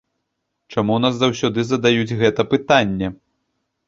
Чаму ў нас заўсёды задаюць гэта пытанне?